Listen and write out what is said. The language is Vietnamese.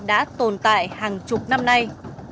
đã tồn tại hàng chục năm nay